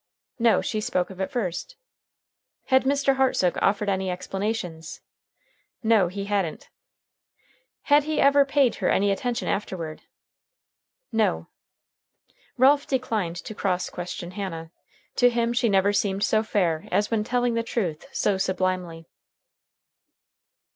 No, she spoke of it first. Had Mr. Hartsook offered any explanations? No, he hadn't. Had he ever paid her any attention afterward? No. Ralph declined to cross question Hannah. To him she never seemed so fair as when telling the truth so sublimely.